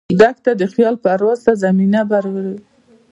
دښته د خیال پرواز ته زمینه برابروي.